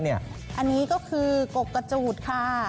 อันนี้ก็คือกกกระจูดค่ะ